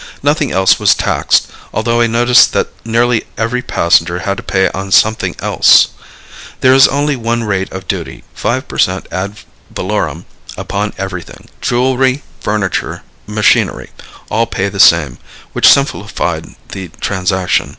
Nothing else was taxed, although I noticed that nearly every passenger had to pay on something else. There is only one rate of duty 5 per cent ad valorem upon everything jewelry, furniture, machinery all pay the same, which simplified the transaction.